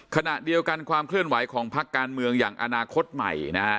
ขณะเดียวกันความเคลื่อนไหวของพักการเมืองอย่างอนาคตใหม่นะฮะ